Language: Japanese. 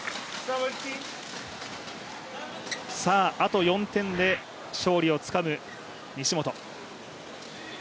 あと４点で勝利をつかむ西本。